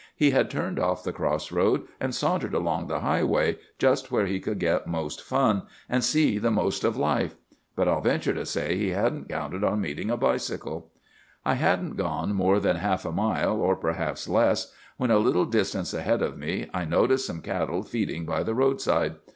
He had turned off the cross road, and sauntered along the highway, just where he could get most fun, and see the most of life. But I'll venture to say he hadn't counted on meeting a bicycle. "'I hadn't gone more than half a mile, or perhaps less, when a little distance ahead of me I noticed some cattle feeding by the roadside.